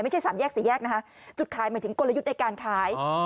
ไม่ใช่สามแยกสี่แยกนะคะจุดคล้ายเหมือนถึงกลยุทธ์ในการขาย